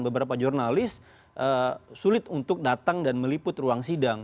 beberapa jurnalis sulit untuk datang dan meliput ruang sidang